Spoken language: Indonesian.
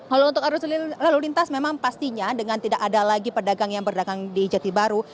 kalau untuk arus lalu lintas memang pastinya dengan tidak ada lagi pedagang yang berdagang di jati baru